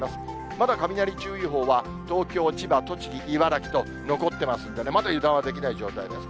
まだ雷注意報は東京、千葉、栃木、茨城と残ってますんでね、まだ油断はできない状態です。